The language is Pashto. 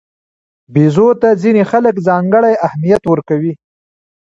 بیزو ته ځینې خلک ځانګړی اهمیت ورکوي.